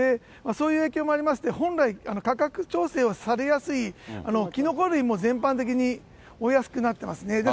そういう影響もありまして、本来、価格調整をされやすいきのこ類も全般的にお安くなってますね。